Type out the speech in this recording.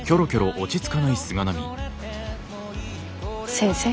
先生。